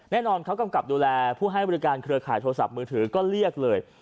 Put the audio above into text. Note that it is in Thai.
แน่นอนเขากำกับดูแลผู้ให้บริการเครือข่ายโทรศัพท์มือถือก็เรียกเลย